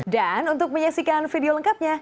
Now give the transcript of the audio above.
dan untuk menyaksikan video lengkapnya